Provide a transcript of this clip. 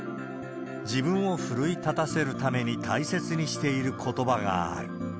自分を奮い立たせるために大切にしていることばがある。